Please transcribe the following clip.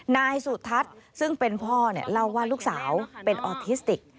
นายสุทัศน์ซึ่งเป็นพ่อเล่าว่าลูกสาวเป็นออทิสติก